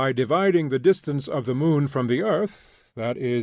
Dividing the distance of the moon from the earth, viz.